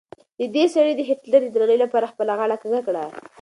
دې سړي د هېټلر د درناوي لپاره خپله غاړه کږه کړه.